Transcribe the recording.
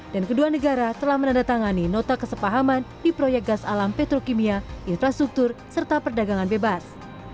dan kedua negara telah menandatangani nota kesepahaman di proyek gas alam petrokimia infrastruktur serta perdagangan bebas